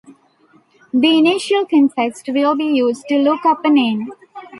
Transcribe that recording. The initial context will be used to look up a name.